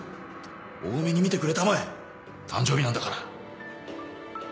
大目に見てくれたまえ誕生日なんだから。